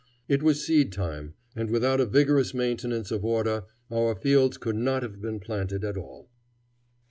It was seed time, and without a vigorous maintenance of order our fields could not have been planted at all.